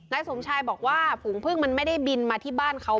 นายสมชายบอกว่าฝูงพึ่งมันไม่ได้บินมาที่บ้านเขา